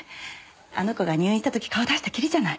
あの子が入院した時顔出したきりじゃない。